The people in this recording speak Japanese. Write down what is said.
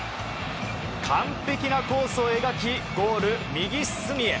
完璧なコースを描きゴール右隅へ。